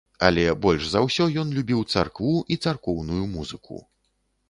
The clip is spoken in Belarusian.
Але больш за ўсё ён любіў царкву і царкоўную музыку.